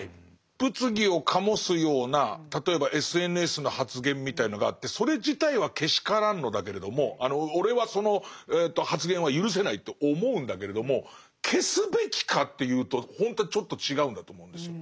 物議を醸すような例えばＳＮＳの発言みたいのがあってそれ自体はけしからんのだけれども「俺はその発言は許せない」と思うんだけれども消すべきかっていうとほんとはちょっと違うんだと思うんですよ。